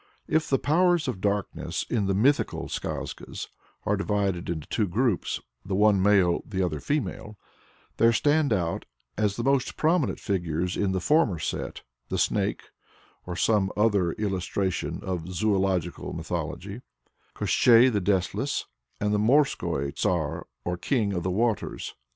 If the powers of darkness in the "mythical" skazkas are divided into two groups the one male, the other female there stand out as the most prominent figures in the former set, the Snake (or some other illustration of "Zoological Mythology"), Koshchei the Deathless, and the Morskoi Tsar or King of the Waters.